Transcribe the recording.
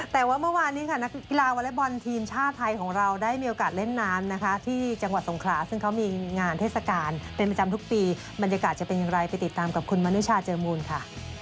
แต่ว่าเมื่อวานนี้ค่ะนักกีฬาวอเล็กบอลทีมชาติไทยของเราได้มีโอกาสเล่นน้ำนะคะที่จังหวัดสงขลาซึ่งเขามีงานเทศกาลเป็นประจำทุกปีบรรยากาศจะเป็นอย่างไรไปติดตามกับคุณมนุชาเจอมูลค่ะ